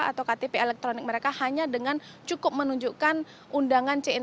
atau ktp elektronik mereka hanya dengan cukup menunjukkan undangan c enam